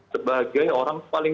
sebagai orang paling